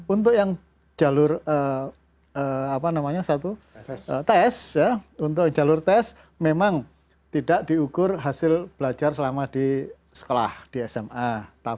untuk yang jalur untuk jalur tes memang tidak diukur hasil belajar selama di sekolah di sma